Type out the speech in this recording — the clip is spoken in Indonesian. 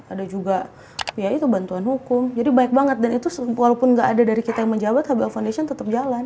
ada juga ya itu bantuan hukum jadi baik banget dan itu walaupun gak ada dari kita yang menjabat habib foundation tetap jalan